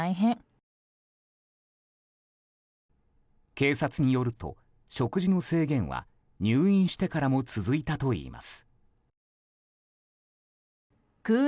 警察によると、食事の制限は入院してからも続いたといいます。